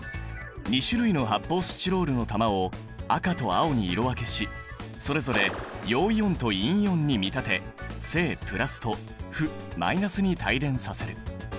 ２種類の発泡スチロールの玉を赤と青に色分けしそれぞれ陽イオンと陰イオンに見立て正・プラスと負・マイナスに帯電させる。